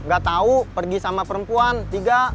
gak tahu pergi sama perempuan tiga